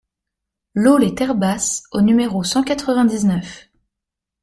LOT LES TERRES BASSES au numéro cent quatre-vingt-dix-neuf